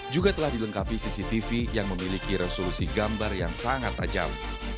juga telah dilengkapi cctv yang memiliki resolusi gambar yang sangat tajam